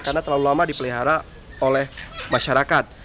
karena terlalu lama dipelihara oleh masyarakat